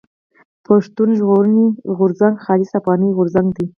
پښتون ژغورني غورځنګ خالص افغاني غورځنګ دی.